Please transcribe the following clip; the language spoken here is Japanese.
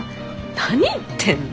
何言ってんの？